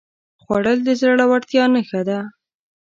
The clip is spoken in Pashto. خوړل د زړورتیا نښه ده